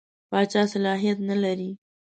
پاچا صلاحیت نه لري.